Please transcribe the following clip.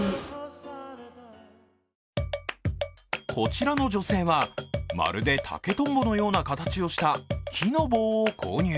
こちらの女性は、まるで竹とんぼのような形をした木の棒を購入。